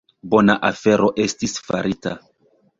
Bona afero estis farita.